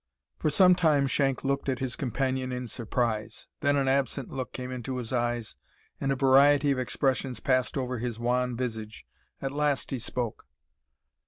For some time Shank looked at his companion in surprise; then an absent look came into his eyes, and a variety of expressions passed over his wan visage. At last he spoke.